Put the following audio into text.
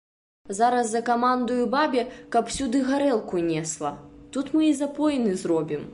Зараз закамандую бабе, каб сюды гарэлку несла, тут мы і запоіны зробім.